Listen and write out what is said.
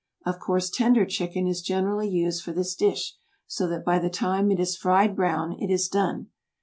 Of course tender chicken is generally used for this dish so that by the time it is fried brown it is done.